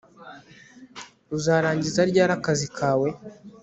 Uzarangiza ryari akazi kawe